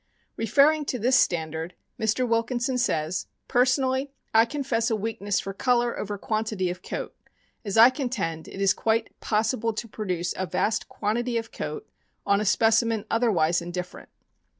Referring to this standard, Mr. Wilkinson says : Personally, I confess a weakness for color over quantity of coat, as I con tend it is quite possible to produce a vast quantity of coat on a specimen other wise indifferent.